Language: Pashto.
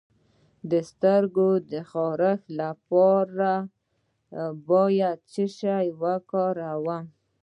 د سترګو د خارښ لپاره باید څه شی وکاروم؟